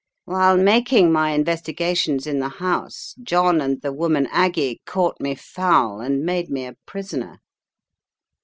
"While making my investigations in the house, John and the woman Aggie caught me foul and made me a prisoner.